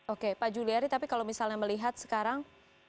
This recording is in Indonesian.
oke pak juliari tapi kalau misalnya melihat sekarang